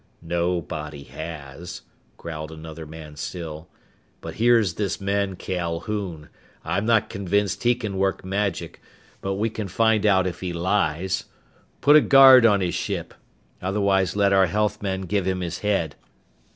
"Nobody has," growled another man still. "But here's this man Calhoun. I'm not convinced he can work magic, but we can find out if he lies. Put a guard on his ship. Otherwise let our health men give him his head.